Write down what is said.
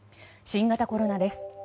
新型コロナです。